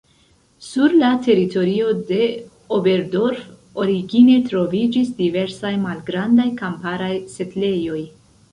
Sur la teritorio de Oberdorf origine troviĝis diversaj malgrandaj kamparaj setlejoj.